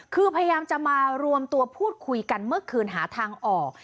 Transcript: คือพยายามจะมารวมตัวพูดคุยกันเมื่อคืนหาทางออก